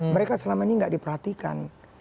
mereka selama ini tidak diperhatikan